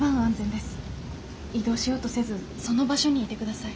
移動しようとせずその場所にいてください。